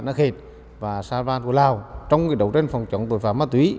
nã khệt và sao văn của lào trong đấu tranh phòng chống tội phá ma túy